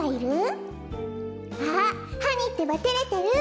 あっハニーってばてれてる。